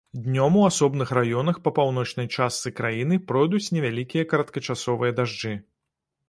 Днём у асобных раёнах па паўночнай частцы краіны пройдуць невялікія кароткачасовыя дажджы.